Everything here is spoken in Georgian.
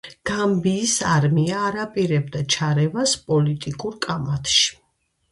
გამბიის არმია არ აპირებდა ჩარევას პოლიტიკურ კამათში.